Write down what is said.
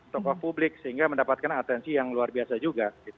tokoh publik sehingga mendapatkan atensi yang luar biasa juga